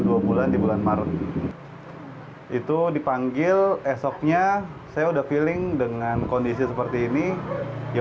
dua bulan di bulan maret itu dipanggil esoknya saya udah feeling dengan kondisi seperti ini ya